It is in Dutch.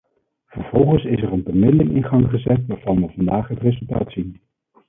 Vervolgens is er een bemiddeling in gang gezet, waarvan we vandaag het resultaat zien.